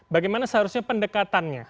bagaimana seharusnya pendekatannya